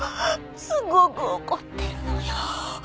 すごく怒ってるのよ。